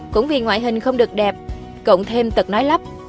cũng vì ngoại hình không được đẹp cộng thêm tật nói lắp